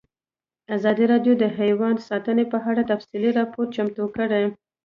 ازادي راډیو د حیوان ساتنه په اړه تفصیلي راپور چمتو کړی.